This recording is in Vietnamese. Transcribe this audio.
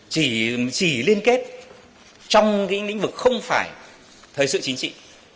chỉ liên kết trong cái lĩnh vực không phải thời sự chính trị